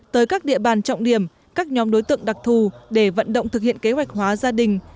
tới các địa bàn trọng điểm các nhóm đối tượng đặc thù để vận động thực hiện kế hoạch hóa gia đình